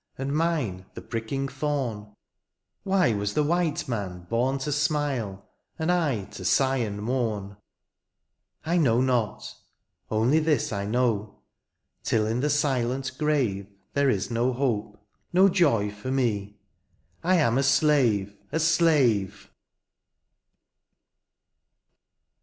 And mine the pricking thorn ? Why was the white man bom to smile. And I to sigh and mourn ? I know not, only this I know. Till in the silent grave There is no hope, no joy for me, I am a slave — a slave